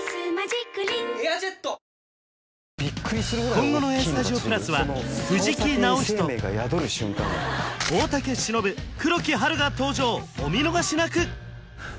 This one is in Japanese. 今後の「ＡＳＴＵＤＩＯ＋」は藤木直人大竹しのぶ黒木華が登場お見逃しなく！